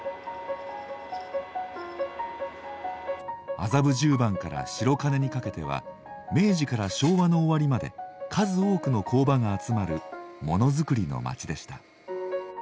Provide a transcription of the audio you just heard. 麻布十番から白金にかけては明治から昭和の終わりまで数多くの工場が集まるものづくりの街でした。